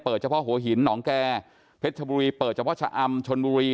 เฉพาะหัวหินหนองแก่เพชรชบุรีเปิดเฉพาะชะอำชนบุรี